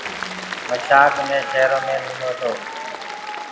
موسآڪ مي شيرو دي لينو تو۔